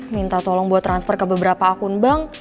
minta tolong buat transfer ke beberapa akun bank